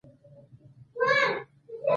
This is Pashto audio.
مداخلې ته یې تشویقاوه.